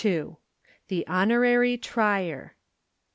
THE HONORARY TRIER.